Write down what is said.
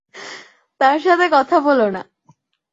তার সাথে কথা বলো না!